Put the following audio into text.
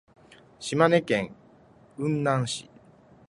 島根県雲南市